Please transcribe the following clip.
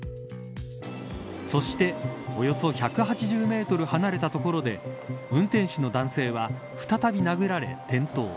そして、およそ１８０メートル離れた所で運転手の男性は再び殴られ転倒。